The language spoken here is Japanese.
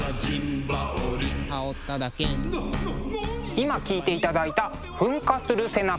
今聴いていただいた「噴火する背中」。